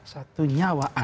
satu nyawa anak